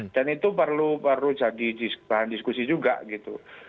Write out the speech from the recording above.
itu perlu jadi bahan diskusi juga gitu